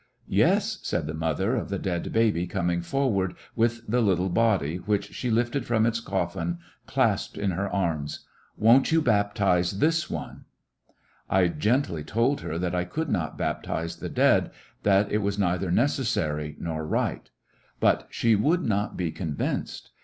"Yes," said the mother of the dead baby coming forward with the little body, which she lifted from its coffin, clasped in her arms. "Won't you baptize this one?" An agonized I gently told her that I could not baptize the dead— that it was neither necessary nor right But she would not be convinced.